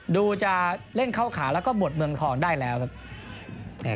ดูจะเล่นเข้าขาแล้วก็หมดเมืองทองได้แล้วครับ